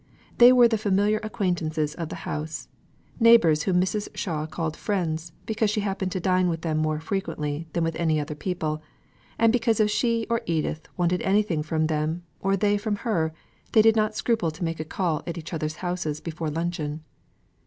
They were the familiar acquaintances of the house; neighbours whom Mrs. Shaw called friends, because she happened to dine with them more frequently than with any other people, and because if she or Edith wanted anything from them, or they from her, they did not scruple to make a call at each other's houses before luncheon.